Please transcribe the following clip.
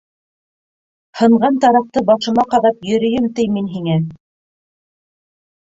Һынған тараҡты башыма ҡаҙап йөрөйөм ти мин һиңә!